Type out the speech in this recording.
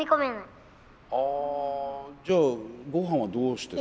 あじゃあごはんはどうしてるの？